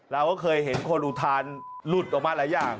เราก็เคยเห็นคนอุทานหลุดออกมาหลายอย่าง